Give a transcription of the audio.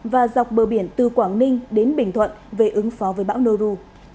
và dọc bờ biển từ quảng ninh đến bình thuận về ứng phó với bão noru